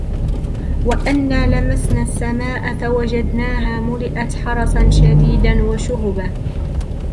وَأَنَّا لَمَسْنَا السَّمَاءَ فَوَجَدْنَاهَا مُلِئَتْ حَرَسًا شَدِيدًا وَشُهُبًا